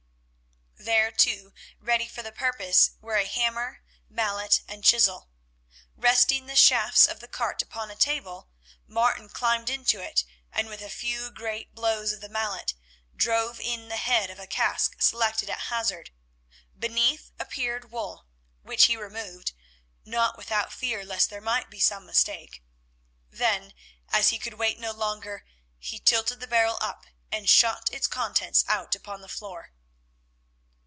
There, too, ready for the purpose, were a hammer, mallet, and chisel. Resting the shafts of the cart upon a table, Martin climbed into it, and with a few great blows of the mallet, drove in the head of a cask selected at hazard. Beneath appeared wool, which he removed, not without fear lest there might be some mistake; then, as he could wait no longer, he tilted the barrel up and shot its contents out upon the floor.